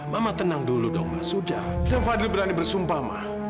mama tenang dulu dong sudah